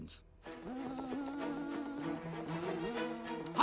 あ！